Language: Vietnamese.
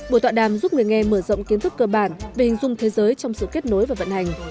buổi tọa đàm giúp người nghe mở rộng kiến thức cơ bản về hình dung thế giới trong sự kết nối và vận hành